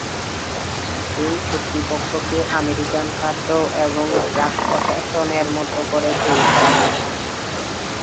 এই কর্তৃপক্ষকে আমেরিকান খাদ্য এবং ড্রাগ প্রশাসন-এর মতো করে তৈরি করা হয়েছে।